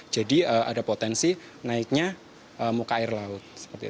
jadi ada potensi naiknya muka air laut